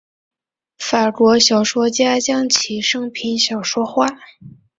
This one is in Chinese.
法国小说家将其生平小说化。